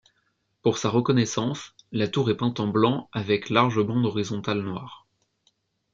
Pour sa reconnaissance, la tour est peinte en blanc avec large bande horizontale noire.